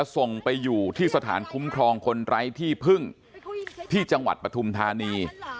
ส่งไปอยู่ที่สถานคุ้มครองคนไร้ที่พึ่งที่จังหวัดปฐุมธานี